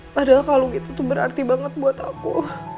padahal kalung itu tuh berarti banget buat aku